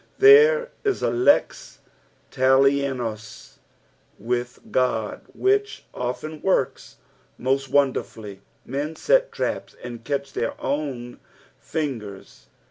There is a !ci: taltsnii with God which often works most wonderfully. Blcn set traps and catch their own flngeis.